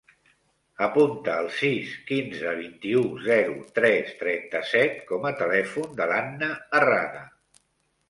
Apunta el sis, quinze, vint-i-u, zero, tres, trenta-set com a telèfon de l'Anna Herrada.